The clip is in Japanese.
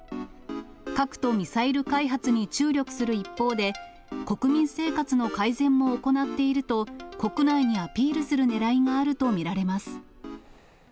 核とミサイル開発に注力する一方で、国民生活の改善も行っていると、国内にアピールするねらいがあると見られます。